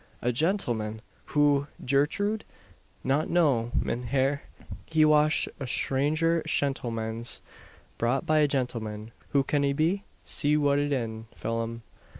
"A gentleman! Who, Gertrude?" "Not know, mein herr; he wash a stranger shentlemans." "Brought by a gentleman. Who can he be? See what it in, Phelim."